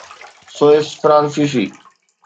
Swiss فرانسيسي